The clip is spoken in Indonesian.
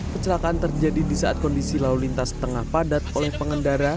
kecelakaan terjadi di saat kondisi lalu lintas tengah padat oleh pengendara